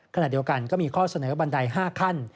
ขณะเดียวกันก็มีข้อเสนอบันได๕ขั้น